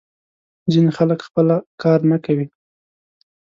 ځینې خلک خپله کار نه کوي.